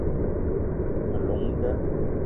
A llong nda